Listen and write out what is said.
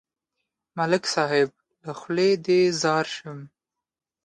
ملک صاحب، له خولې دې ځار شم.